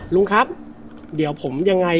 ลุงครับเดี๋ยวผมยังไง